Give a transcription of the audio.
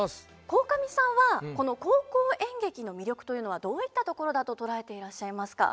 鴻上さんはこの高校演劇の魅力というのはどういったところだと捉えていらっしゃいますか。